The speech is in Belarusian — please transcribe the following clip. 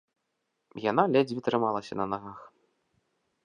Яна ледзьве трымалася на нагах.